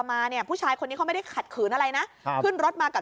มาเนี่ยผู้ชายคนนี้เขาไม่ได้ขัดขืนอะไรนะขึ้นรถมากับ